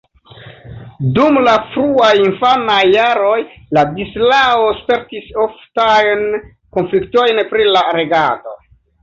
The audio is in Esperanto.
Dum la fruaj infanaj jaroj Ladislao spertis oftajn konfliktojn pri la regado.